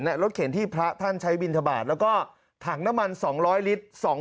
น่ะรถเขนที่พระท่านใช้บินทบาทแล้วก็ถั่งน้ำมันสองร้อยลิตรสอง